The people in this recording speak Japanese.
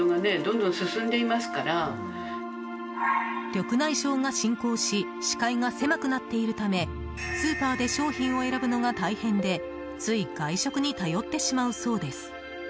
緑内障が進行し視界が狭くなっているためスーパーで商品を選ぶのが大変でつい外食に頼ってしまうそうです。